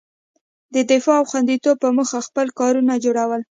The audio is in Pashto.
د دفاع او خوندیتوب په موخه خپل کورونه جوړول.